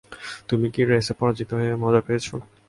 তুমি কি রেসে পরাজিত হয়ে, মজা পেয়েছো?